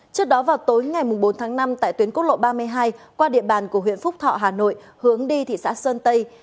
trước đó vào tối ngày bốn tháng năm tại tuyến quốc lộ ba mươi hai qua địa bàn của huyện phúc thọ hà nội hướng đi thị xã sơn tây